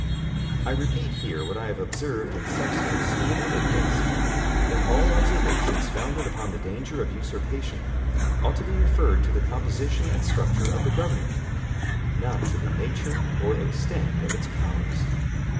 I repeat here what I have observed in substance in another place, that all observations founded upon the danger of usurpation ought to be referred to the composition and structure of the government, not to the nature or extent of its powers.